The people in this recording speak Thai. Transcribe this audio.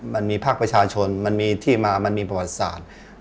มันมีภาคประชาชนมันมีที่มามันมีประวัติศาสตร์